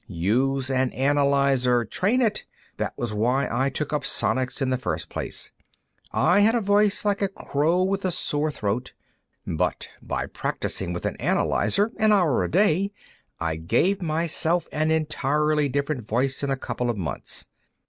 "Use an analyzer; train it. That was why I took up sonics, in the first place. I had a voice like a crow with a sore throat, but by practicing with an analyzer, an hour a day, I gave myself an entirely different voice in a couple of months.